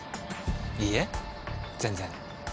いいえ全然。